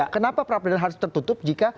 kenapa peradilan harus tertutup jika